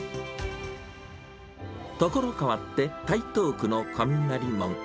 所変わって台東区の雷門。